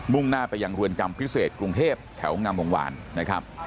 ่งหน้าไปยังเรือนจำพิเศษกรุงเทพแถวงามวงวานนะครับ